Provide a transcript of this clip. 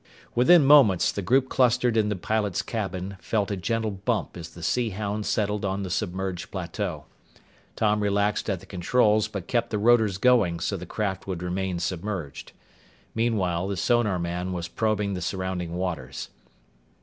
Within moments, the group clustered in the pilot's cabin felt a gentle bump as the Sea Hound settled on the submerged plateau. Tom relaxed at the controls but kept the rotors going so the craft would remain submerged. Meanwhile, the sonarman was probing the surrounding waters.